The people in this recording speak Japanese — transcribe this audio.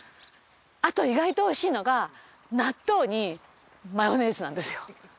あと意外とおいしいのが納豆にマヨネーズなんですよ。